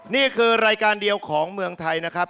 นี่คือรายการเดียวของเมืองไทยนะครับ